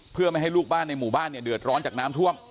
เพื่อไม่ให้ลูกบ้านในหมู่บ้านเนี่ยเดือดร้อนจากน้ำท่วม